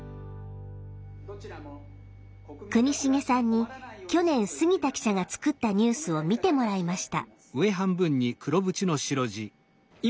国重さんに去年杉田記者が作ったニュースを見てもらいました。